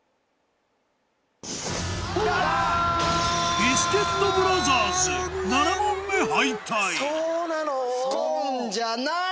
ビスケットブラザーズ７問目敗退「こん」じゃない！